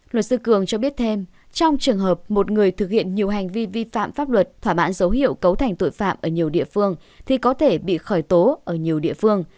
luật sư cường cho biết thêm trong trường hợp một người thực hiện nhiều hành vi vi phạm pháp luật thỏa mãn dấu hiệu cấu thành tội phạm ở nhiều địa phương thì có thể bị khởi tố ở nhiều địa phương